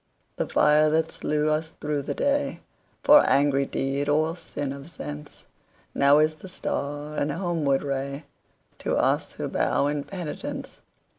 The fire that slew us through the dayFor angry deed or sin of senseNow is the star and homeward rayTo us who bow in penitence.